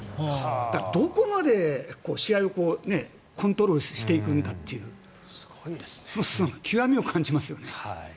だから、どこまで試合をコントロールしていくのかという極みを感じますよね。